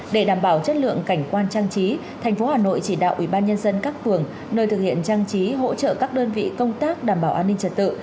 để đảm bảo chất lượng cảnh quan trang trí thành phố hà nội chỉ đạo ủy ban nhân dân các vườn nơi thực hiện trang trí hỗ trợ các đơn vị công tác đảm bảo an ninh trật tự